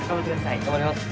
頑張ります。